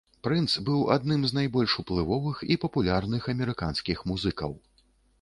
Прынц быў адным з найбольш уплывовых і папулярных амерыканскіх музыкаў.